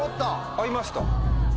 合いました。